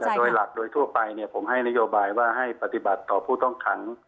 โดยหลักโดยทั่วไปผมให้นโยบายว่าให้ปฏิบัติต่อผู้ต้องขัง